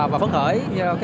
và phấn khởi